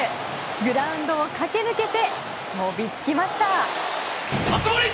グラウンドを駆け抜けて飛びつきました。